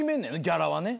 ギャラはね。